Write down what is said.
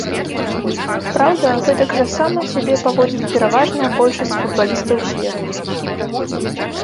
Праўда, гэтак жа сама сябе паводзіць пераважная большасць футбалістаў свету.